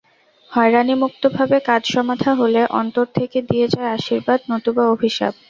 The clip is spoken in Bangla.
হয়রানিমুক্তভাবে কাজ সমাধা হলে অন্তর থেকে দিয়ে যায় আশীর্বাদ, নতুবা অভিশাপ।